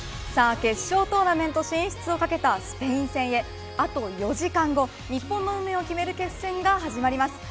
決勝トーナメント進出をかけたスペイン戦へあと４時間後日本の運命を決める決戦が始まります。